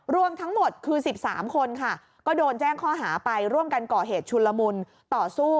รวมทั้งหมดคือ๑๓คนค่ะก็โดนแจ้งข้อหาไปร่วมกันก่อเหตุชุนละมุนต่อสู้